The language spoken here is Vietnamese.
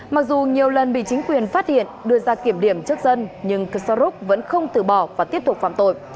mặc dù nhiều lần bị chính quyền phát hiện đưa ra kiểm điểm chất dân nhưng cực so rốt vẫn không từ bỏ và tiếp tục phạm tội